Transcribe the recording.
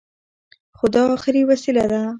خو دا اخري وسيله ده.